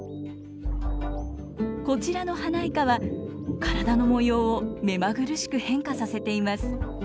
こちらのハナイカは体の模様を目まぐるしく変化させています。